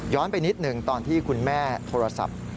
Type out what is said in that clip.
ไปนิดหนึ่งตอนที่คุณแม่โทรศัพท์